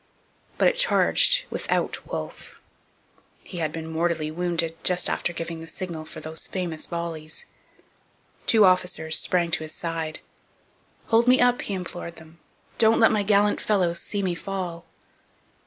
But it charged without Wolfe. He had been mortally wounded just after giving the signal for those famous volleys. Two officers sprang to his side. 'Hold me up!' he implored them, 'don't let my gallant fellows see me fall!'